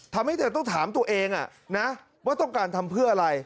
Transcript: ทำให้เธอต้องถามตัวเองนะว่าต้องการทำเพื่ออะไร